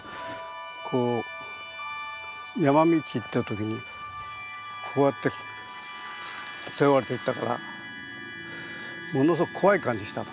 こう山道行った時にこうやって背負われていったからものすごく怖い感じしたの。